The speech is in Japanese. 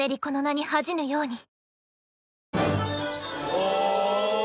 お！